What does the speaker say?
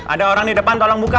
ada orang di depan tolong buka